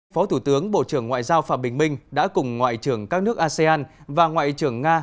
phó thủ tướng bộ trưởng ngoại giao phạm bình minh đã cùng ngoại trưởng các nước asean và ngoại trưởng nga